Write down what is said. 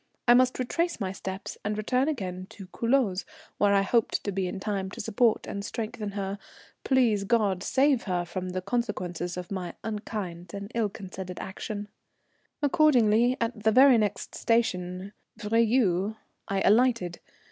I must retrace my steps and return again to Culoz, where I hoped to be in time to support and strengthen her, please God save her from the consequences of my unkind and ill considered action. Accordingly, at the very next station, Virieu, I alighted.